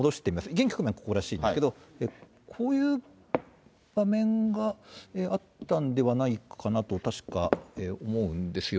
現在はここらしいんですけれども、こういう場面があったんではないかなと、確か思うんですよ。